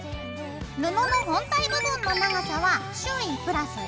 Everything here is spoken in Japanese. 布の本体部分の長さは周囲＋４ｃｍ。